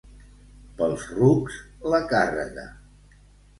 Pels rucs, la càrrega.